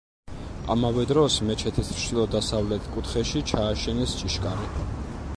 ამავე დროს მეჩეთის ჩრდილო-დასავლეთ კუთხეში ჩააშენეს ჭიშკარი.